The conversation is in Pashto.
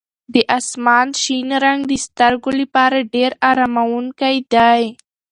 د اسمان شین رنګ د سترګو لپاره ډېر اراموونکی دی.